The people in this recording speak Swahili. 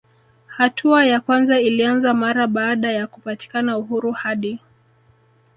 Hatua ya kwanza ilianza mara baada ya kupatikana uhuru hadi